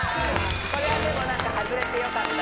これはでも何か外れてよかった。